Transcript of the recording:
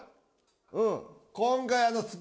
うん？